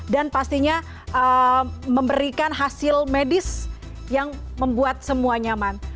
dan pastinya memberikan hasil medis yang membuat semua nyaman